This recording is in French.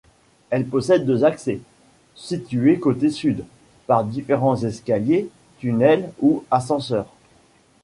Elle possède deux accès, situées côté sud, par différents escaliers, tunnels ou ascenseurs.